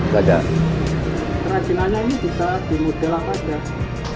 kerajinannya ini bisa dimodel apa